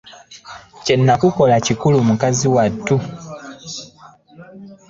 Kye nakukola kikulu mukazi wattu.